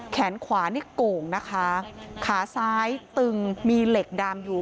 แขนขวานี่โก่งนะคะขาซ้ายตึงมีเหล็กดามอยู่